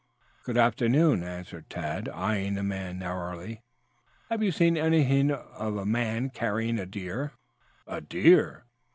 "Good afternoon," answered Tad, eyeing the man narrowly. "Have you seen anything of a man carrying a deer?" "A deer?"